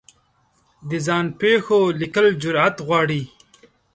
د ځان پېښو لیکل جرعت غواړي.